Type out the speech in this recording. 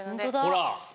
ほら！